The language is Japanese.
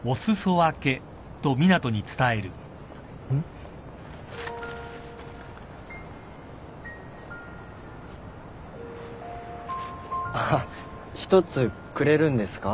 あっ１つくれるんですか？